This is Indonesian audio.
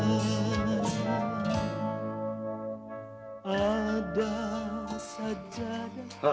ada sajadah panjang terbentang